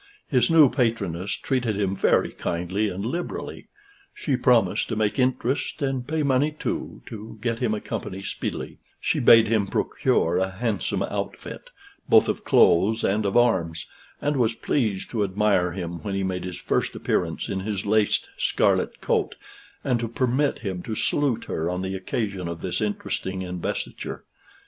His new patroness treated him very kindly and liberally; she promised to make interest and pay money, too, to get him a company speedily; she bade him procure a handsome outfit, both of clothes and of arms, and was pleased to admire him when he made his first appearance in his laced scarlet coat, and to permit him to salute her on the occasion of this interesting investiture.